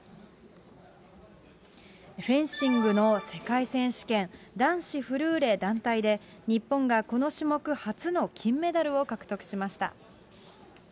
フェンシングの世界選手権男子フルーレ団体で、日本がこの種目初の金メダルを獲得しました。